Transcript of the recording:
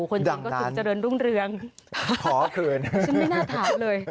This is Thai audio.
คนที่ก็ถึงจะโรนรุ้งเรืองขอเขินค่ะฉันไม่น่าถามเลย